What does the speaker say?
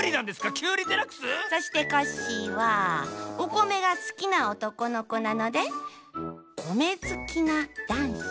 きゅうりデラックス⁉そしてコッシーはおこめがすきなおとこのこなのでこめずきなだんし。